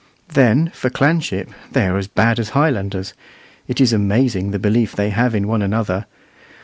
Then for clanship, they are as bad as Highlanders; it is amazing the belief they have in one another.